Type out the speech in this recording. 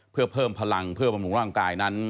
เพื่อเพิ่มพลังเพื่อบำรุงร่างกายนั้น